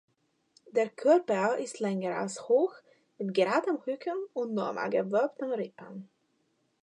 Der Körper ist länger als hoch, mit geradem Rücken und normal gewölbten Rippen.